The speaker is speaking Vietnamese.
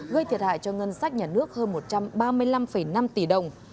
gây thiệt hại cho ngân sách nhà nước hơn một trăm ba mươi năm năm tỷ đồng